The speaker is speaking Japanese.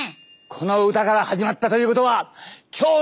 この歌から始まったということは今日のテーマは。